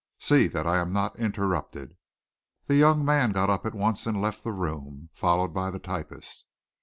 See that I am not interrupted." The young man got up at once and left the room, followed by the typist.